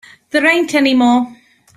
There ain't any more.